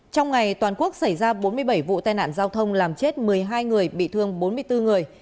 trong ngày toàn quốc xảy ra bốn mươi bảy vụ tai nạn giao thông làm chết một mươi hai người bị thương bốn mươi bốn người